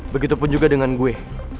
begitu pun juga dengan gue